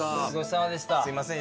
すいません